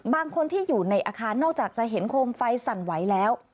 บางคนที่อยู่ในอาคารนอกจากจะเห็นโคมไฟสั่นไหวแล้ว